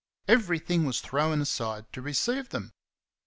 Everything was thrown aside to receive them.